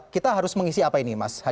kita harus mengisi apa ini mas